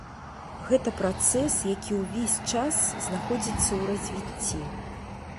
Гэта працэс, які ўвесь час знаходзіцца ў развіцці.